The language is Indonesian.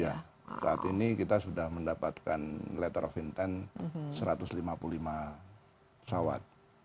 ya saat ini kita sudah mendapatkan letter of intent satu ratus lima puluh lima pesawat